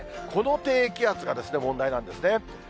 この低気圧が問題なんですね。